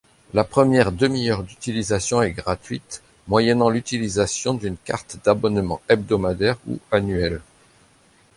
La première demi-heure d'utilisation est gratuite, moyennant l'utilisation d'une carte d'abonnement hebdomadaire ou annuelle.